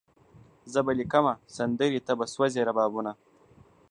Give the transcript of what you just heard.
زه به لیکمه سندري ته به سوزې ربابونه